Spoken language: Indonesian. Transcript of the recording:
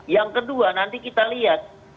yang kedua nanti kita lihat